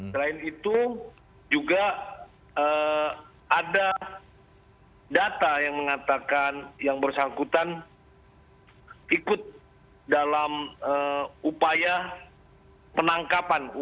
selain itu juga ada data yang mengatakan yang bersangkutan ikut dalam upaya penangkapan